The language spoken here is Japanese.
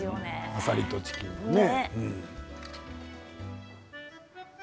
あさりとチキンのね。